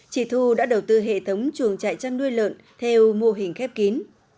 chị thu đã đầu tư hệ thống chuồng trại chăn nuôi lợn theo mô hình khép kín